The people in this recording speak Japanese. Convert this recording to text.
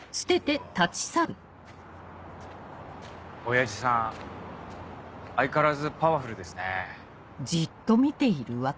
親父さん相変わらずパワフルですね。